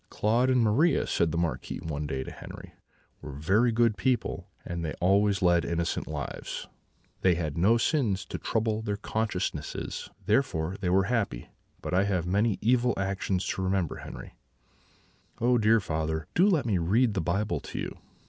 "'Claude and Maria,' said the Marquis one day to Henri, 'were very good people; they always led innocent lives; they had no sins to trouble their consciences, therefore they were happy; but I have many evil actions to remember, Henri.' "'Oh, dear father,' said Henri, 'do let me read the Bible to you.